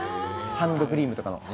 ハンドクリームとかかな。